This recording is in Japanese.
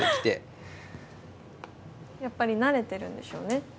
やっぱり慣れてるんでしょうね。